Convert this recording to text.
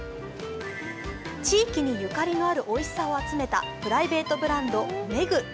地域にゆかりのあるおいしさを集めたプライベートブランドＭＥＧＵ−メグー。